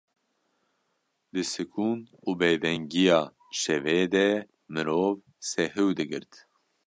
Di sikûn û bêdengiya şevê de mirov sehiw digirt.